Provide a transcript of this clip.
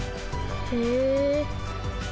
へえ。